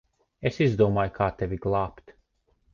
Es izdomāju, kā tevi glābt.